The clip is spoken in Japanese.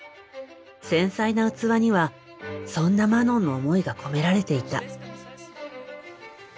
繊細な器にはそんなマノンの思いが込められていた。